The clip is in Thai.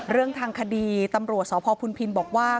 เรื่องทางคดีตำรวจสพพุนพินบอกว่า